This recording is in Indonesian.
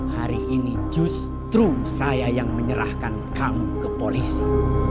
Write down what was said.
hari ini justru saya yang menyerahkan kamu ke polisi